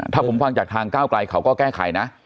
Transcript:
ถ้าผมฟังจากทางก้าวไกลเขาก็แก้ไขนะ